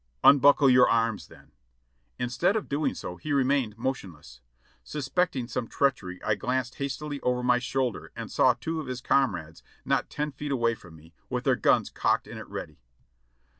"Unbuckle your arms then." Instead of doing so, he remained motionless. Suspecting some treachery I glanced hastily over my shoulder and saw two of his comrades not ten feet away from me, with their guns cocked and at ready.